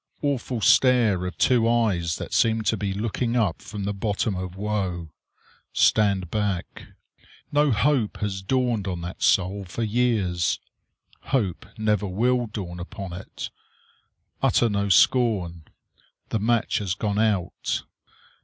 Awful stare of two eyes that seem looking up from the bottom of woe. Stand back. No hope has dawned on that soul for years. Hope never will dawn upon it. Utter no scorn. The match has gone out.